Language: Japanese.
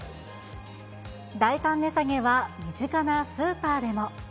大胆値下げは身近なスーパーでも。